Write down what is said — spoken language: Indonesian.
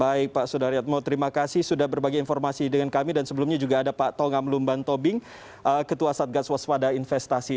baik pak sudaryat mau terima kasih sudah berbagi informasi dengan kami dan sebelumnya juga ada pak tongam lumbanto bing ketua satgas waswada investasi